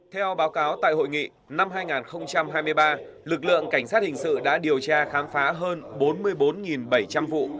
theo báo cáo tại hội nghị năm hai nghìn hai mươi ba lực lượng cảnh sát hình sự đã điều tra khám phá hơn bốn mươi bốn bảy trăm linh vụ